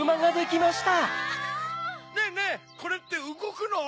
ねぇねぇこれってうごくの？